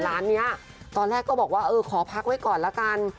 ร้านนี้ตอนแรกก็บอกว่าเออขอพักไว้ก่อนละกัน